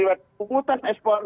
lewat kumpulan ekspor